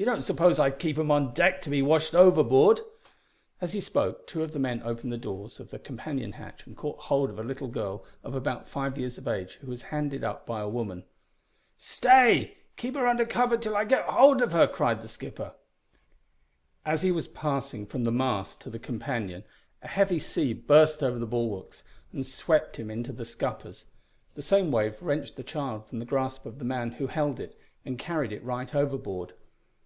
You don't suppose I'd keep 'em on deck to be washed overboard?" As he spoke two of the men opened the doors of the companion hatch, and caught hold of a little girl of about five years of age, who was handed up by a woman. "Stay! keep her under cover till I get hold of her," cried the skipper. As he was passing from the mast to the companion a heavy sea burst over the bulwarks, and swept him into the scuppers. The same wave wrenched the child from the grasp of the man who held it and carried it right overboard.